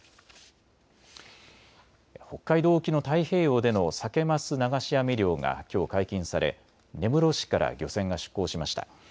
北海道沖の太平洋でのサケ・マス流し網漁がきょう解禁され根室市から漁船が出港しました。